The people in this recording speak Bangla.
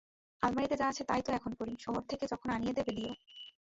আলমারিতে যা আছে তাই তো এখন পড়ি, শহর থেকে যখন আনিয়ে দেবে দিও!